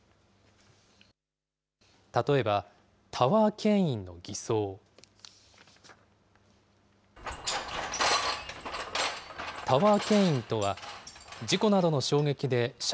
例えば、タワーけん引の偽装。